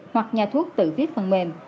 hoặc nhà thuốc tự viết phần mềm